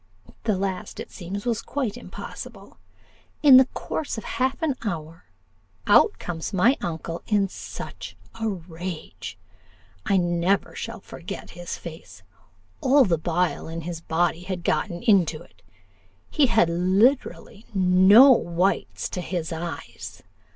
The last, it seems, was quite impossible. In the course of half an hour, out comes my uncle in such a rage! I never shall forget his face all the bile in his body had gotten into it; he had literally no whites to his eyes.